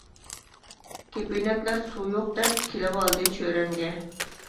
كېپىنەكلەر سۇ يوق دەپ، كېلىۋالدى چۆرەمگە.